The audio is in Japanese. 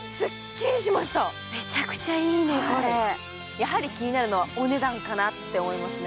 やはり気になるのはお値段かなって思いますね。